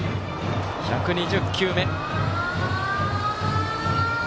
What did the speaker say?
１２０球目。